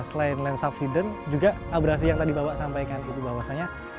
kesini tetap kesini pengepulnya